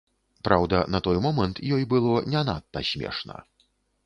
Праўда, на той момант ёй было не надта смешна.